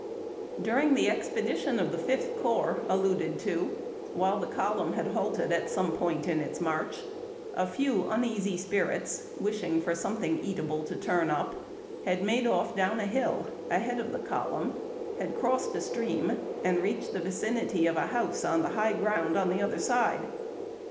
FORAGING. 247 During the expedition of the Fifth Corps alluded to, while the column had halted at some point in its march, a few uneasy spirits, wishing for something eatable to turn up, had made off down a liill, ahead of the column, had crossed a stream, and reached the vicinity of a house on the high ground the other side.